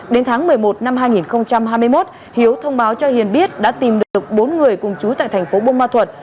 đến tháng một mươi một năm hai nghìn hai mươi một hiếu thông báo cho hiền biết đã tìm được bốn người cùng chú tại thành phố buôn ma thuật